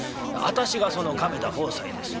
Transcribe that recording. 私がその亀田鵬斎です」。